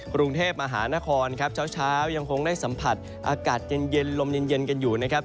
กรุงเทพมหานครครับเช้ายังคงได้สัมผัสอากาศเย็นลมเย็นกันอยู่นะครับ